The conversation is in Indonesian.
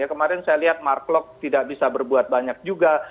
kemarin saya lihat mark klok tidak bisa berbuat banyak juga